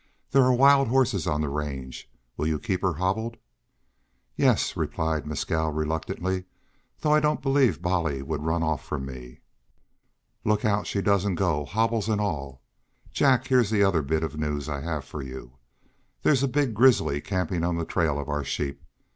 There are wild horses on the range. Will you keep her hobbled?" "Yes," replied Mescal, reluctantly. "Though I don't believe Bolly would run off from me." "Look out she doesn't go, hobbles and all. Jack, here's the other bit of news I have for you. There's a big grizzly camping on the trail of our sheep.